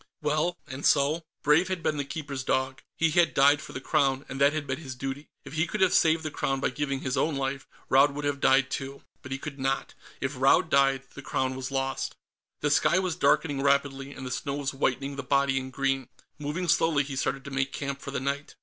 Well, and so? Brave had been the Keeper's dog. He had died for the Crown, and that had been his duty. If he could have saved the Crown by giving his own life, Raud would have died too. But he could not if Raud died the Crown was lost. The sky was darkening rapidly, and the snow was whitening the body in green. Moving slowly, he started to make camp for the night.